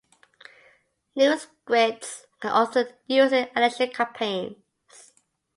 News grids are often used in election campaigns.